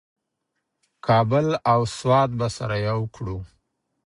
کابل او سوات به سره یو کړو.